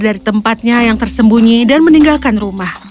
dari tempatnya yang tersembunyi dan meninggalkan rumah